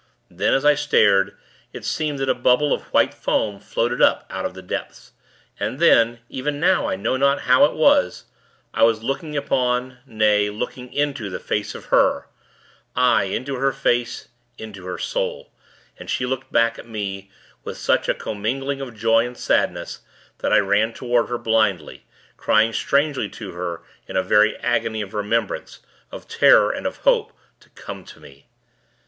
Then, as I stared, it seemed that a bubble of white foam floated up out of the depths, and then, even now I know not how it was, I was looking upon, nay, looking into the face of Her aye! into her face into her soul; and she looked back at me, with such a commingling of joy and sadness, that I ran toward her, blindly; crying strangely to her, in a very agony of remembrance, of terror, and of hope, to come to me.